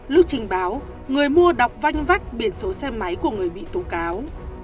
lúc trình báo người mua đọc vanh vách biển số xe máy của người bị tố cáo